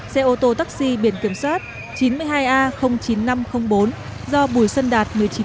xe ô tô taxi biển kiểm soát chín mươi hai a chín nghìn năm trăm linh bốn do bùi sân đạt một mươi chín tuổi